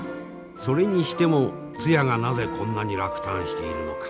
それにしてもつやがなぜこんなに落胆しているのか。